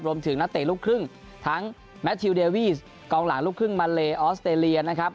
นักเตะลูกครึ่งทั้งแมททิวเดวีสกองหลังลูกครึ่งมาเลออสเตรเลียนะครับ